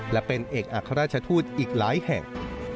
และเป็นเอกอัครราชทูตอีกหลายแห่ง